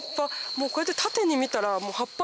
もうこうやって縦に見たら。